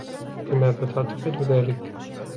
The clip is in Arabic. لماذا تعتقد ذلك ؟